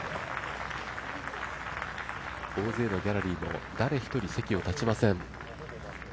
大勢のギャラリーも誰一人、席を立ちません。